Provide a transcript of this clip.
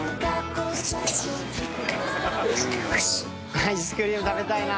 アイスクリーム食べたいな。